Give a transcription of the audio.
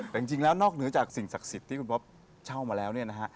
แต่จริงแล้วนอกเหนือจากสิ่งศักดิ์สิทธิ์ที่คุณป๊อปเช่ามาแล้วเนี่ยนะฮะ